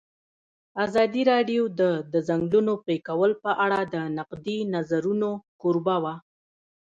ازادي راډیو د د ځنګلونو پرېکول په اړه د نقدي نظرونو کوربه وه.